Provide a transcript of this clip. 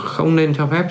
không nên cho phép